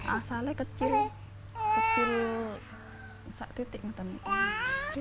asalnya kecil kecil satu titik